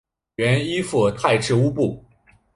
原依附泰赤乌部。